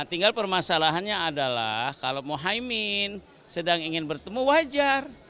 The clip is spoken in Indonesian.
tinggal permasalahannya adalah kalau mohaimin sedang ingin bertemu wajar